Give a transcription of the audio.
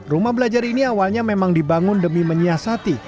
rumah belajar ini awalnya memang dibangun demi menyiasati